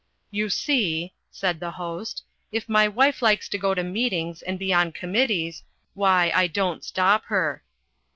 "You see," said the Host, "if my wife likes to go to meetings and be on committees, why, I don't stop her."